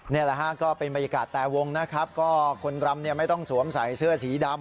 นี่แหละฮะก็เป็นบรรยากาศแต่วงนะครับก็คนรำเนี่ยไม่ต้องสวมใส่เสื้อสีดำ